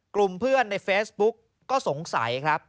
กลุ่มเพื่อนในเฟซบุ๊กก็สงสัยครับ